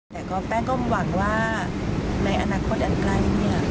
แต่แป๊กก็มั่นวังว่าในอนาคตอันใกล้